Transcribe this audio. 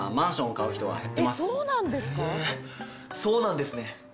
へえそうなんですね。